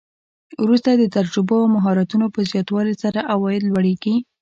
وروسته د تجربو او مهارتونو په زیاتوالي سره عواید لوړیږي